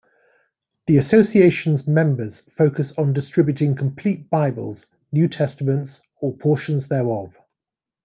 The association's members focus on distributing complete Bibles, New Testaments, or portions thereof.